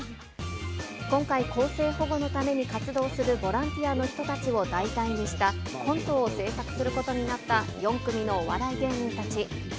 今回、更生、保護のために活動するボランティアの人たちを題材にしたコントを制作することになった４組のお笑い芸人たち。